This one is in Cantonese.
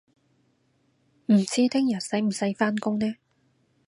唔知聽日使唔使返工呢